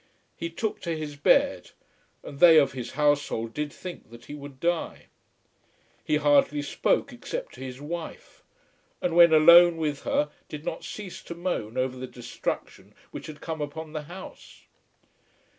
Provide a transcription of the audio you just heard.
He took to his bed, and they of his household did think that he would die. He hardly spoke except to his wife, and when alone with her did not cease to moan over the destruction which had come upon the house.